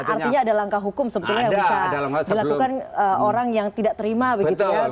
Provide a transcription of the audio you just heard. artinya ada langkah hukum sebetulnya yang bisa dilakukan orang yang tidak terima begitu ya